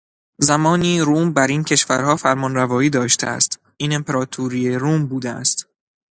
زمانی روم بر این کشورها فرمانروایی داشته است. این امپراتوری روم بوده است.